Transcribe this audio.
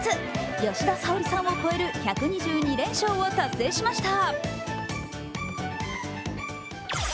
吉田沙保里さんを超える１２２連勝を達成しました。